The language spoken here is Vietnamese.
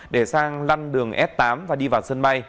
để sang lăn đường băng một mươi một r